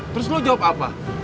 terus lu jawab apa